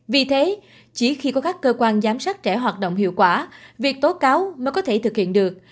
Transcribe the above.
vì thế chỉ khi có các cơ quan giám sát trẻ hoạt động hiệu quả việc tố cáo mới có thể thực hiện được